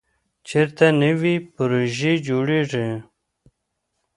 چېرته نوې پروژې جوړېږي؟